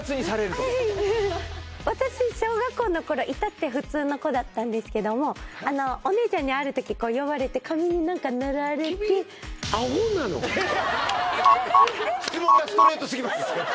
私小学校の頃いたって普通の子だったんですけどもお姉ちゃんにある時呼ばれて髪に何か塗られて君ええええ質問がストレートすぎます